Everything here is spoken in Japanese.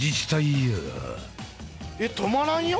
えっ止まらんよ。